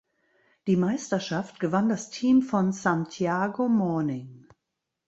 Die Meisterschaft gewann das Team von Santiago Morning.